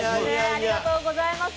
ありがとうございます。